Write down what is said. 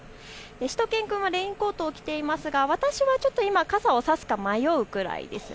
しゅと犬くんはレインコートを着ていますが私はちょっと今、傘を差すか迷うくらいです。